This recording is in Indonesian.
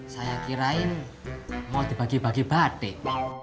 saya kirain mau dibagi bagi batik